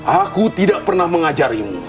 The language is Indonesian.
aku tidak pernah mengajarimu